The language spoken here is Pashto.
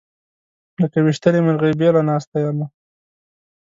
لکه ويشتلې مرغۍ بېله ناسته یمه